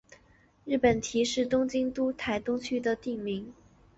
日本堤是东京都台东区的町名。